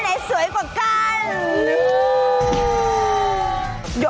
หนึ่ง